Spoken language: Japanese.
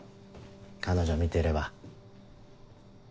彼女見てれば。